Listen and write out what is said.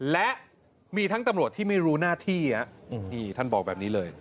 และมีทั้งตำรวจที่ไม่รู้หน้าที่นี่ท่านบอกแบบนี้เลย